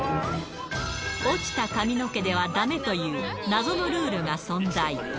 落ちた髪の毛ではだめという、謎のルールが存在。